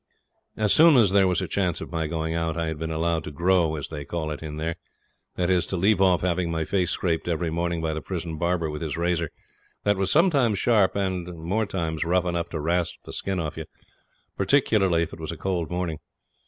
As soon as there was a chance of my going out, I had been allowed to 'grow', as they call it in there. That is, to leave off having my face scraped every morning by the prison barber with his razor, that was sometimes sharp and more times rough enough to rasp the skin off you, particularly if it was a cold morning.